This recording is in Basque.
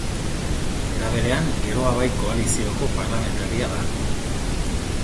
Era berean, Geroa Bai koalizioko parlamentaria da.